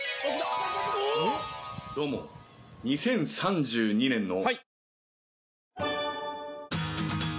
どうも２０３２年の。